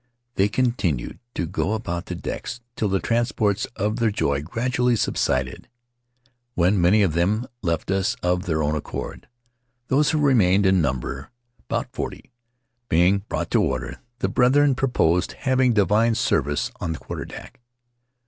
... They continued to go about the decks till the transports of their joy gradually subsided, when many of them left us of their own accord. ... Those who remained, in number Faery Lands of the South Seas about forty, being brought to order, the brethren proposed hav ing divine service on the quarterdeck.